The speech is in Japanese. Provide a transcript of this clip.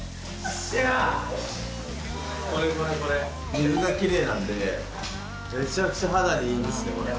水が奇麗なんでめちゃくちゃ肌にいいんですよ。